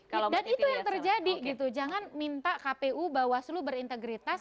dan itu yang terjadi jangan minta kpu bahwa seluruh berintegritas